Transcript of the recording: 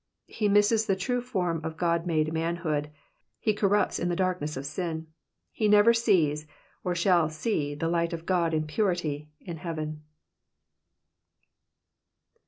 He misses the true form of God made manhood ; he corrupts in the darkness of sin ; he never sees or shall see the light of God in purity, in heaven.